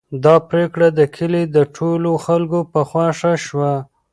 دا پرېکړه د کلي د ټولو خلکو په خوښه شوه.